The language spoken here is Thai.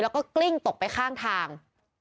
แล้วก็กลิ้งไปตอบข้างทาง